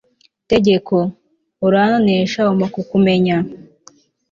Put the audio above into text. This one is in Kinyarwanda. tegeko, urantonesha umpa kukumenya